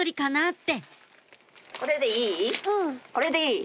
ってこれでいい？